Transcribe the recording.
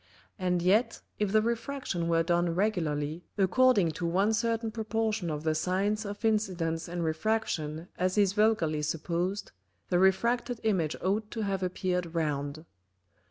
And yet if the Refraction were done regularly according to one certain Proportion of the Sines of Incidence and Refraction as is vulgarly supposed, the refracted Image ought to have appeared round.